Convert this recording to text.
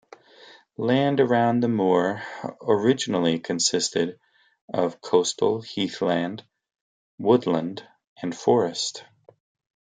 Land around the Moore originally consisted of coastal heathland, woodland, and forest.